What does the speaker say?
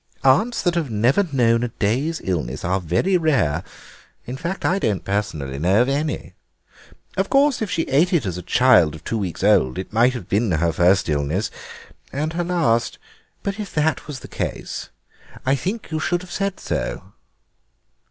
Aunts that have never known a day's illness are very rare; in fact, I don't personally know of any. Of course if she ate it as a child of two weeks old it might have been her first illness—and her last. But if that was the case I think you should have said so."